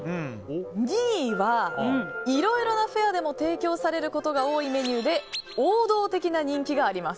２位は、いろいろなフェアでも提供されることが多いメニューで王道的な人気があります。